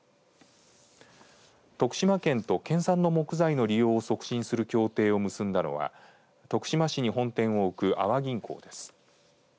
徳島県と県産の木材の利用を促進する協定を結んだのは徳島市に本店を置く阿波銀行です。